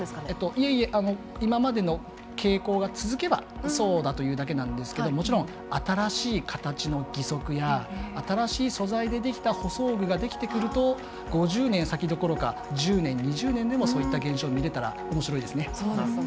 いえいえ今までの傾向が続けばそうだということなんですけどもちろん、新しい形の義足や新しい素材でできた補走具が出てくると５０年先どころか１０年２０年先でもそういう現象が見れたらおもしろいですね。